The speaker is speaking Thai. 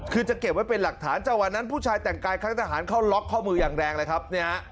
คือจะเก็บไว้เป็นหลักฐานจังหวะนั้นผู้ชายแต่งกายครั้งทหารเข้าล็อกข้อมืออย่างแรงเลยครับ